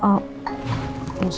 teknik yang terhasil